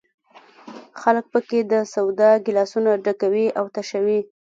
خلک په کې د سودا ګیلاسونه ډکوي او تشوي.